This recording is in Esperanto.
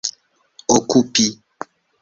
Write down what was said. okupi